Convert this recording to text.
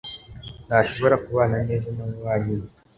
ntashobora kubana neza nababanyi be.